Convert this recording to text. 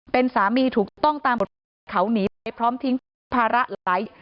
เป็นสามีถูกต้องตามเขาหนีพร้อมทิ้งภาระอะไร